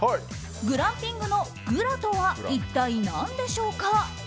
グランピングの「グラ」とは一体何でしょうか。